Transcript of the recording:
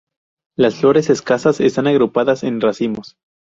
Las flores escasas están agrupadas en racimos.